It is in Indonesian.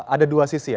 ada dua sisi ya